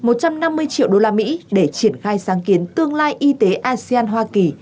một trăm năm mươi triệu đô la mỹ để triển khai sáng kiến tương lai y tế asean hoa kỳ